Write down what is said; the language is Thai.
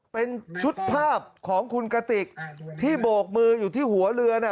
เป็นชุดภาพของคุณกระติกที่โบกมืออยู่ที่หัวเรือน่ะ